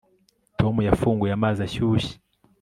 Tom yafunguye amazi ashyushye